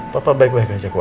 papa baik baik aja kok